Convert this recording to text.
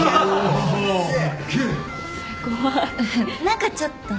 何かちょっと。